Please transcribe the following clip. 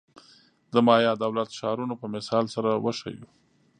د مایا دولت-ښارونو په مثال سره وښیو.